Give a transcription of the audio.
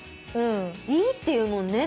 いいっていうもんね